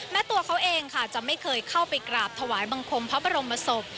แม้ตัวเขาเองค่ะจะไม่เคยเข้าไปกราบถวายบังคมพระบรมศพ